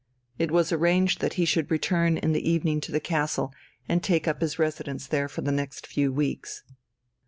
It was arranged that he should return in the evening to the castle, and take up his residence there for the next few weeks.